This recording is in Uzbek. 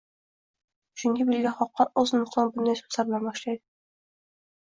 Shunda Bilga xoqon o’z nutqini bunday so’zlar bilan boshlaydi